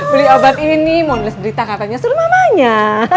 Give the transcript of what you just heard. beli obat ini mau nulis berita katanya suruh mamanya